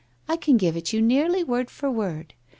* I can give it you nearly word for word.